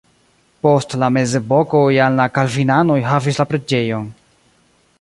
Post la mezepoko jam la kalvinanoj havis la preĝejon.